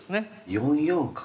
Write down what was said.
４四角？